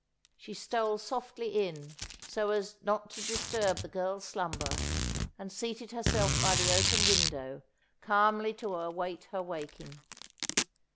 She stole softly in, so as not to disturb the girl's slumber, and seated herself by the open window calmly to await her waking.